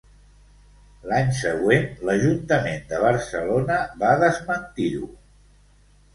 L'any següent l'Ajuntament de Barcelona va desmentir-ho.